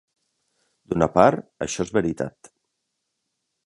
D'una part, això es veritat.